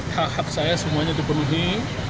hak hak saya semuanya dipenuhi